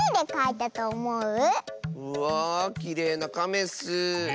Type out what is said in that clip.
うわきれいなカメッス。